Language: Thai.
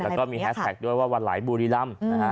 แล้วก็มีแฮสแท็กด้วยว่าวันไหลบุรีรำนะฮะ